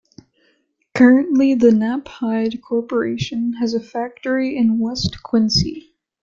Currently, the Knapheide corporation has a factory in West Quincy.